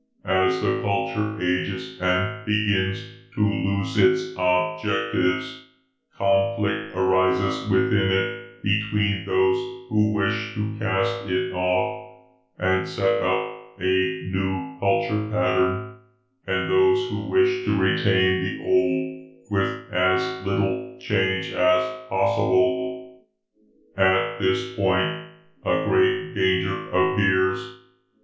As the culture ages and begins to lose its objectives, conflict arises within it between those who wish to cast it off and set up a new culture pattern, and those who wish to retain the old with as little change as possible. "At this point, a great danger appears.